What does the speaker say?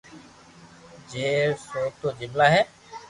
ڇي سو تو جملا ھي